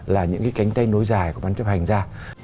là những cái cánh tay nối dài của văn chấp hành ra